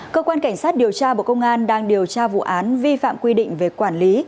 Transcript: cơ quan cảnh sát điều tra bộ công an đang điều tra vụ án vi phạm quy định về quản lý